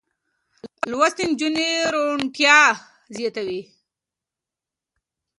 لوستې نجونې روڼتيا زياتوي.